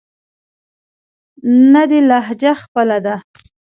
نه دې لهجه خپله ده.